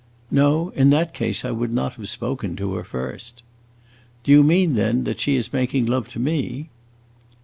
"No; in that case I would not have spoken to her first." "Do you mean, then, that she is making love to me?"